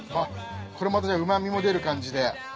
これまた旨みも出る感じで。